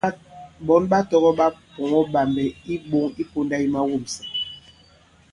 Ɓɔ̌n ɓa tɔgɔ̄ ɓa pɔ̀ŋɔ̄ ɓàmbɛ̀ i iɓoŋ i pōnda yi mawûmsɛ̀.